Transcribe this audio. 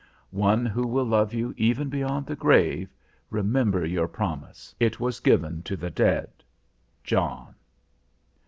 One who will love you even beyond the grave, Remember your promise. It was given to the dead. JOHN.